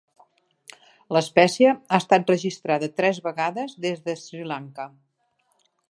L'espècie ha estat registrada tres vegades des de Sri Lanka.